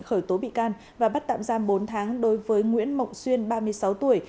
khởi tố bị can và bắt tạm giam bốn tháng đối với nguyễn mộng xuyên ba mươi sáu tuổi